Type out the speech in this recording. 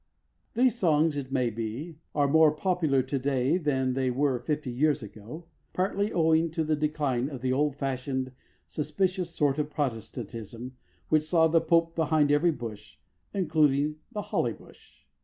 These songs, it may be, are more popular to day than they were fifty years ago partly owing to the decline of the old fashioned suspicious sort of Protestantism, which saw the Pope behind every bush including the holly bush.